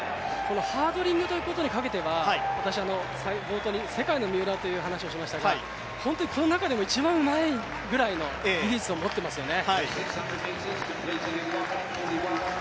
ハードリングというところにかけては、私は世界の三浦という話をしましたがこの中でも一番うまいぐらいの技術を持っていますよね。